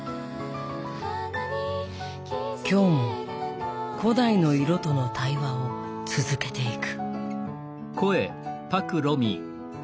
今日も古代の色との対話を続けていく。